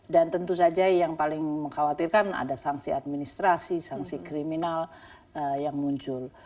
dan tentu saja yang paling mengkhawatirkan ada sangsi administrasi sangsi kriminal yang muncul